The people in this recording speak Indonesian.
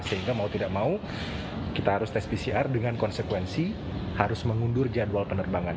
sehingga mau tidak mau kita harus tes pcr dengan konsekuensi harus mengundur jadwal penerbangan